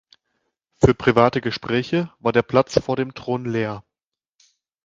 Für private Gespräche war der Platz vor dem Thron leer.